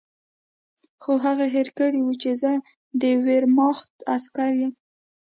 خو هغې هېر کړي وو چې زه د ویرماخت عسکر یم